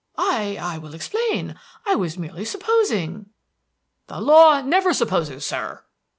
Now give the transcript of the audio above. "I I will explain! I was merely supposing" "The law never supposes, sir!"